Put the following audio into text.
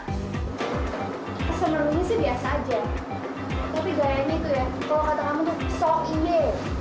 pesan marunya sih biasa aja tapi gaya ini tuh ya kalau kata kamu tuh sok ini